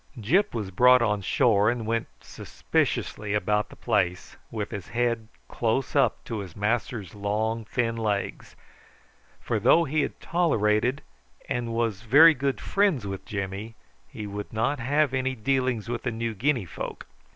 Gyp was brought on shore, and went suspiciously about the place with his head close up to his master's long thin legs, for though he had tolerated and was very good friends with Jimmy, he would not have any dealings with the New Guinea folk.